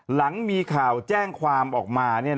หลังมีข่าวแจ้งความออกมา